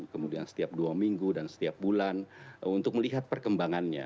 kemudian setiap dua minggu dan setiap bulan untuk melihat perkembangannya